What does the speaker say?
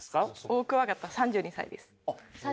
オオクワガタ３２歳。